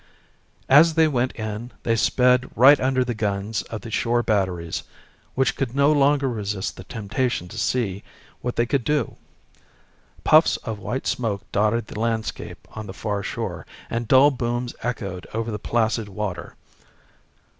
"As they went in they sped right under the guns of the shore batteries, which could no longer resist the temptation to see what they could do. Puffs of white smoke dotted the landscape on the far shore, and dull booms echoed over the placid water.